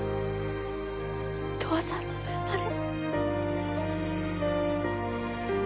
十和さんの分まで。